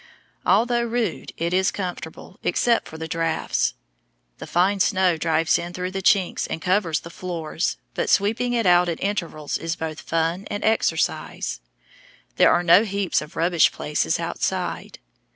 Although rude, it is comfortable, except for the draughts. The fine snow drives in through the chinks and covers the floors, but sweeping it out at intervals is both fun and exercise. There are no heaps or rubbish places outside.